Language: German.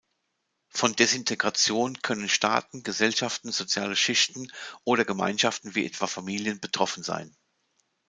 Von Desintegration können Staaten, Gesellschaften, soziale Schichten oder Gemeinschaften wie etwa Familien betroffen sein.